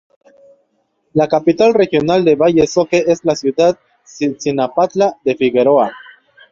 La capital regional de Valles Zoque es la ciudad de Cintalapa de Figueroa.